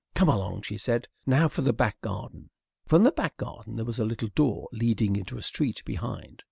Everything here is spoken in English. "Come along," she said; "now for the back garden." From the back garden there was a little door leading into a street behind.